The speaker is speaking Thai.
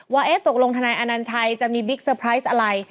ว่าตกลงทนายอนัญชัยจะมีบิ๊กเซอร์ไพรส์อะไร